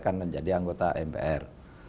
kan menjadi anggota mpr